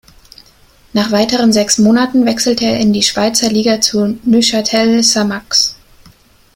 Nach weiteren sechs Monaten wechselte er in die Schweizer Liga zu Neuchâtel Xamax.